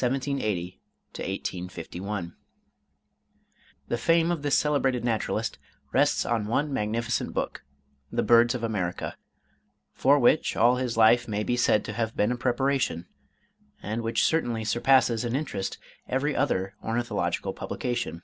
JOHN JAMES AUDUBON (1780 1851) The fame of this celebrated naturalist rests on one magnificent book, 'The Birds of America,' for which all his life may be said to have been a preparation, and which certainly surpasses in interest every other ornithological publication.